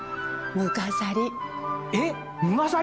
むがさり？